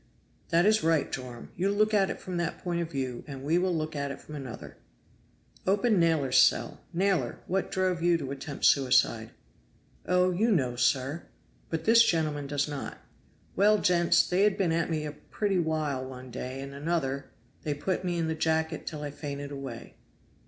"That is right, Joram; you look at it from that point of view, and we will look at it from another." "Open Naylor's cell. Naylor, what drove you to attempt suicide?" "Oh! you know, sir." "But this gentleman does not." "Well, gents, they had been at me a pretty while one way and another; they put me in the jacket till I fainted away."